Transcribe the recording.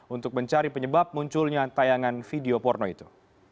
untuk mencari penyebab munculnya tayangan video porno itu